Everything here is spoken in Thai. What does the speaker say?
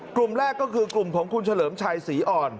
กลุ่มแรกก็คือกลุ่มของคุณเฉลิมชัยศรีอ่อน